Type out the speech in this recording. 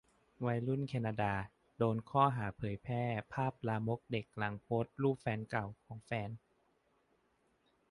วัยรุ่นแคนาดาโดนข้อหาเผยแพร่ภาพลามกเด็กหลังโพสต์รูปแฟนเก่าของแฟน